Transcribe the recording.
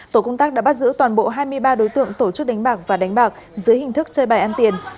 tổ công tác đã bắt giữ toàn bộ hai mươi ba đối tượng tổ chức đánh bạc và đánh bạc dưới hình thức chơi bài ăn tiền